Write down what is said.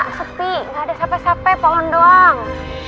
tak sepi gak ada siapa siapa pohon doang